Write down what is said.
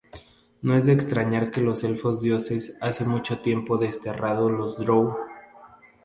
No es de extrañar que los elfos dioses hace mucho tiempo desterrado los drow?